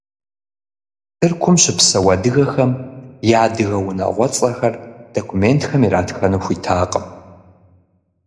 Тыркум щыпсэу адыгэхэм я адыгэ унагъуэцӀэхэр документхэм иратхэну хуитакъым.